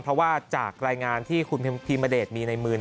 เพราะว่าจากรายงานที่คุณพิมเดชมีในมือ